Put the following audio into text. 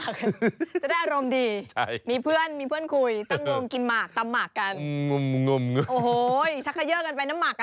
เคี้ยวหมาก